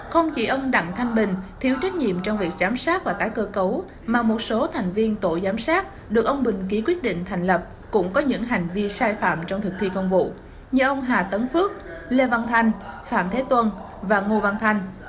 không chỉ ông đặng thanh bình thiếu trách nhiệm trong việc giám sát và tái cơ cấu mà một số thành viên tổ giám sát được ông bình ký quyết định thành lập cũng có những hành vi sai phạm trong thực thi công vụ như ông hà tấn phước lê văn thanh phạm thế tuân và ngô văn thanh